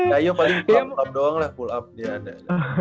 kayu paling pop up doang lah pull up dia ada